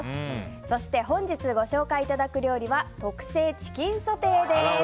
そして本日ご紹介いただく料理は特製チキンソテーです。